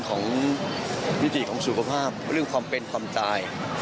ของมิติของสุขภาพเรื่องความเป็นความตาย